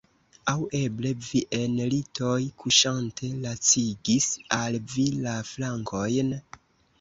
Aŭ eble vi, en litoj kuŝante, lacigis al vi la flankojn?